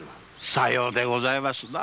さようでございますな。